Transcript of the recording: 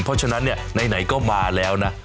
เพราะฉะนั้นเนี่ยไหนก็มาแล้วนะ